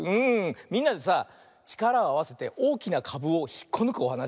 みんなでさちからをあわせておおきなかぶをひっこぬくおはなしだよね。